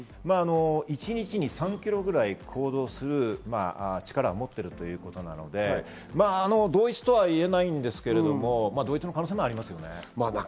一日に３ｋｍぐらい行動する力を持っているということなので、同一と言えないんですけど、同一の可能性もありますね。